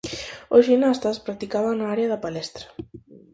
Os ximnastas practicaban na area da palestra.